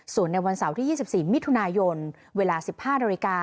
ส่วนในวันเสาร์ที่๒๔มิถุนายนเวลา๑๕นาฬิกา